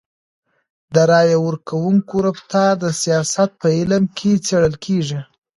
د رایي ورکوونکو رفتار د سیاست په علم کي څېړل کیږي.